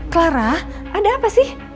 clara ada apa sih